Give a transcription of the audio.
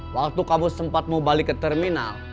waktu kamu sempat mau balik ke terminal